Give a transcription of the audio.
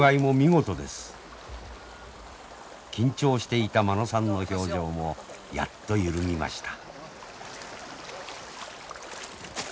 緊張していた間野さんの表情もやっと緩みました。